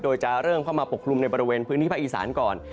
โดยจะเริ่มเข้ามาปกคลุมในบริเวณพื้นที่ภาคอีสานก่อน